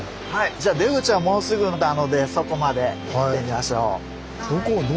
じゃあ出口はもうすぐなのでそこまで行ってみましょう。